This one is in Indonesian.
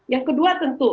yang kedua tentu